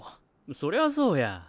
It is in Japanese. そりゃそうや。